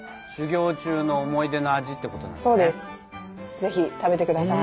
ぜひ食べてください。